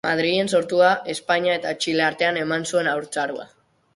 Madrilen sortua, Espainia eta Txile artean eman zuen haurtzaroa.